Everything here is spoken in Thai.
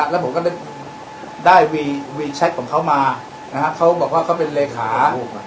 แล้วผมก็ได้วีแชทของเขามาเขาบอกว่าเขาเป็นเลขา